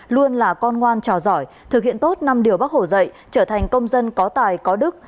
luôn là con ngoan trò giỏi thực hiện tốt năm điều bắc hồ dạy trở thành công dân có tài có đức